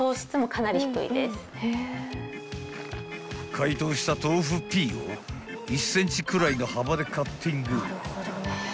［解凍した豆腐皮を１ｃｍくらいの幅でカッティング］